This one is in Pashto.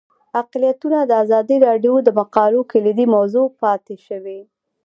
اقلیتونه د ازادي راډیو د مقالو کلیدي موضوع پاتې شوی.